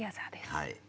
はい。